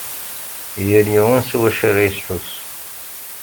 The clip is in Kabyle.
Yal yiwen s wacu ara yesḥus.